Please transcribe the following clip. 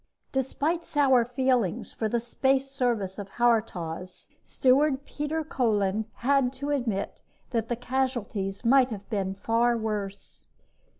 Despite sour feelings for the space service of Haurtoz, steward Peter Kolin had to admit that casualties might have been far worse.